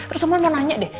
terus semua mau nanya deh